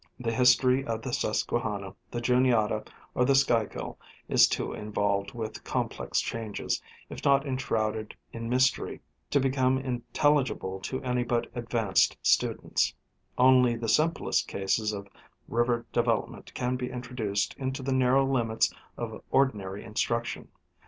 The history of the Susquehanna, the Juniata, or the Schuylkill, is too involved with complex changes, if not enshrouded in mystery, to become intel ligible to any but advanced students ; only the simplest cases of river development can be introduced into the narrow limits of ordinary instruction.